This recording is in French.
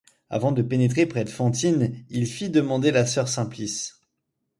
Avant de pénétrer près de Fantine, il fit demander la sœur Simplice.